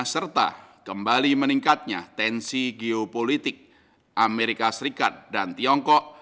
serta kembali meningkatnya tensi geopolitik amerika serikat dan tiongkok